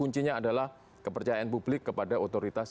yang pertama adalah kita harus menang melawan persebaran virus itu sendiri